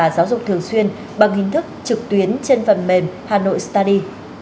giáo dục thường xuyên bằng hình thức trực tuyến trên phần mềm hà nội study